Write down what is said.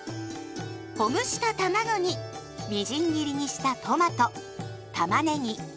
ほぐしたたまごにみじん切りにしたトマトたまねぎ